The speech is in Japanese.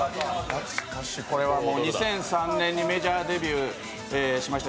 これは２００３年にメジャーデビューしました